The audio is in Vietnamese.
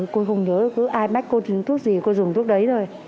cô không nhớ ai mách cô dùng thuốc gì cô dùng thuốc đấy thôi